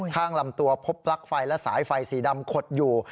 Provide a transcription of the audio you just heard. ข้างลำตัวพบปลั๊กไฟและสายไฟสีดำขดอยู่